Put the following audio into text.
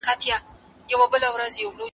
ده د راتلونکي لپاره هيله ساتله.